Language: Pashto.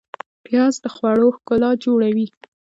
پیاز د خوړو ښکلا جوړوي